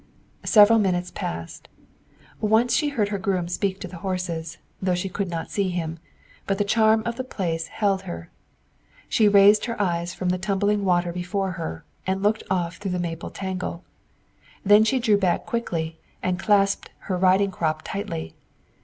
Several minutes passed. Once she heard her groom speak to the horses, though she could not see him, but the charm of the place held her. She raised her eyes from the tumbling water before her and looked off through the maple tangle. Then she drew back quickly, and clasped her riding crop tightly.